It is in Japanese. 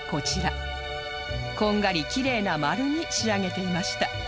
こんがりきれいな丸に仕上げていました